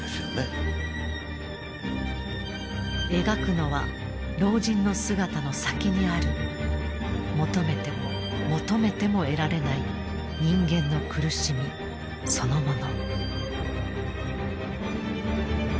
描くのは老人の姿の先にある求めても求めても得られない人間の苦しみそのもの。